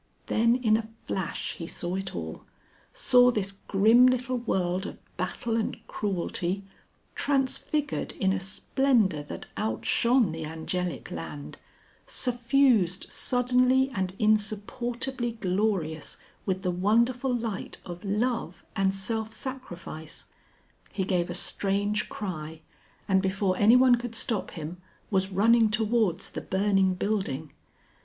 Then in a flash he saw it all, saw this grim little world of battle and cruelty, transfigured in a splendour that outshone the Angelic Land, suffused suddenly and insupportably glorious with the wonderful light of Love and Self Sacrifice. He gave a strange cry, and before anyone could stop him, was running towards the burning building.